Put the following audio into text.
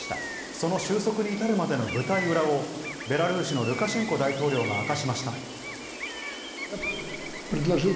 その収束に至るまでの舞台裏を、ベラルーシのルカシェンコ大統領が明かしました。